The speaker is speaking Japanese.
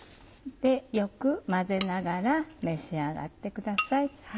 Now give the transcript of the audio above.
よく混ぜながら召し上がってください。